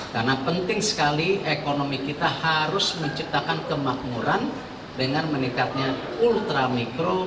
karena penting sekali ekonomi kita harus menciptakan kemakmuran dengan meningkatnya ultramikro